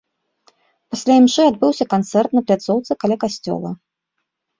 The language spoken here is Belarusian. Пасля імшы адбыўся канцэрт на пляцоўцы каля касцёла.